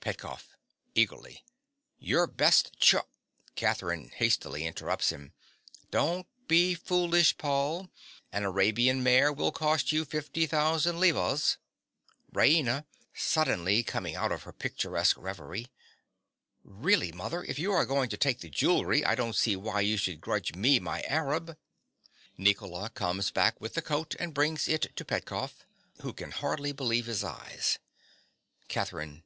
PETKOFF. (eagerly). Your best char— CATHERINE. (hastily interrupting him). Don't be foolish, Paul. An Arabian mare will cost you 50,000 levas. RAINA. (suddenly coming out of her picturesque revery). Really, mother, if you are going to take the jewellery, I don't see why you should grudge me my Arab. (Nicola comes back with the coat and brings it to Petkoff, who can hardly believe his eyes.) CATHERINE.